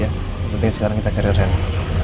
yang penting sekarang kita cari rene